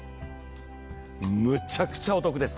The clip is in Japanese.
むちゃくちゃお得です。